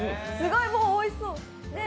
すごいおいしそう。